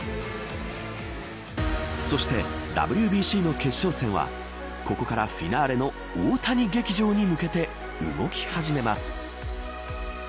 そしてＷＢＣの決勝戦はここからフィナーレの大谷劇場に向けて動き始めます。